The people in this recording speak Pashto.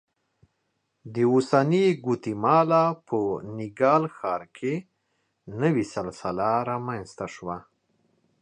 د اوسنۍ ګواتیمالا په تیکال ښار کې نوې سلسله رامنځته شوه